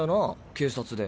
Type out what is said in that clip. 警察で。